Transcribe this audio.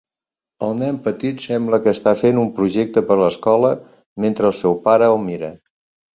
el nen petit sembla que està fent un projecte per l'escola mentre el seu pare el mira.